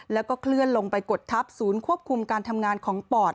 แล้วก็เคลื่อนลงไปกดทับศูนย์ควบคุมการทำงานของปอด